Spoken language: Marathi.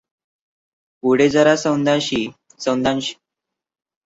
पुढे जरासंधाशी श्रीकृष्ण बलरामाचे गोमंत पर्वतावर एक युध्द झाल्याचा उल्लेखही हरिवंशात आहे.